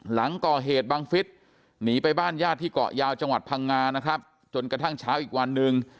หลังก่อเหตุบังฟิศหนีไปบ้านญาติที่เกาะยาวจังหวัดพังงานะครับจนกระทั่งเช้าอีกวันหนึ่ง